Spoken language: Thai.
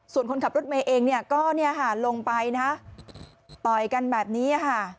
ส่วนคนขับรถเมย์เองเนี่ยก็ลงไปนะต่อยกันแบบนี้ค่ะ